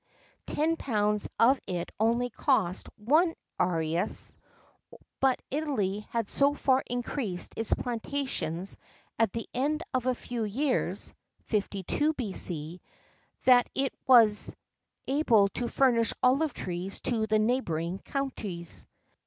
ten pounds of it only cost one As; but Italy had so far increased its plantations at the end of a few years (52 B.C.) that it was able to furnish olive trees to the neighbouring countries.